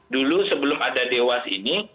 dulu sebelum ada dewas ini